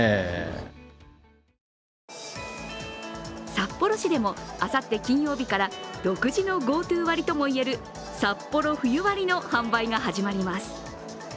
札幌市でもあさって金曜日から独自のＧｏＴｏ割ともいえるサッポロ冬割の販売が始まります。